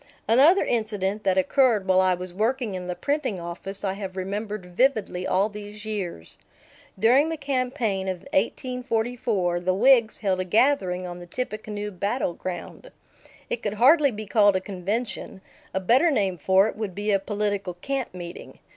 Another incident that occurred while I was working in the printing office I have remembered vividly all these years. During the campaign of 1844, the Whigs held a gathering on the Tippecanoe battle ground. It could hardly be called a convention; a better name for it would be a political camp meeting.